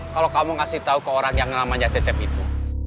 kalau kamu kasih tahu ke orang yang namanya cecep itu